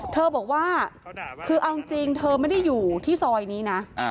เธอบอกว่าคือเอาจริงเธอไม่ได้อยู่ที่ซอยนี้นะ